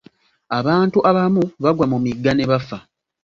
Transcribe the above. Abantu abamu bagwa mu migga ne bafa.